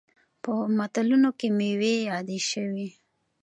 په متلونو کې میوې یادې شوي.